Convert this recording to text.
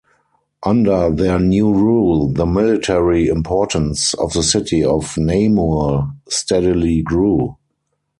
Under their new rule, the military importance of the city of Namur steadily grew.